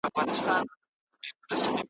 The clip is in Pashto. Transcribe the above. لکه د ښایستو رنګونو په ترکیب کي.